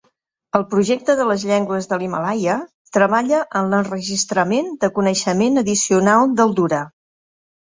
El Projecte de les Llengües de l'Himàlaia treballa en l'enregistrament de coneixement addicional del dura.